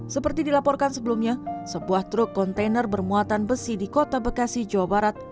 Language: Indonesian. seperti dilaporkan sebelumnya sebuah truk kontainer bermuatan besi di kota bekasi jawa barat